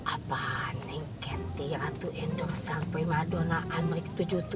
apaan nengketi ratu endorsal prima dona amrik tujuh puluh tujuh